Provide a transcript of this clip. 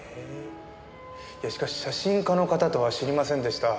いやしかし写真家の方とは知りませんでした。